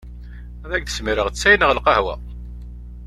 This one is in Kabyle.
Ad ak-d-smireɣ ttay neɣ lqahwa?